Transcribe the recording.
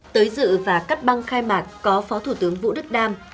tới dự và cắt băng khai mạc có phó thủ tướng vũ đức đam